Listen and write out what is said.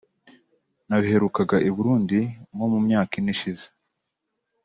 nabiherukaga i Burundi nko mu myaka ine ishize